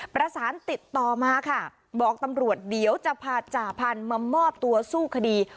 ประสานติดต่อมาค่ะบอกตำรวจเดี๋ยวจะพาจ่าพันธุ์มามอบตัวสู้คดี